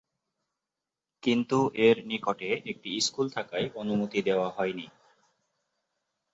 কিন্তু এর নিকটে একটি স্কুল থাকায় অনুমতি দেওয়া হয়নি।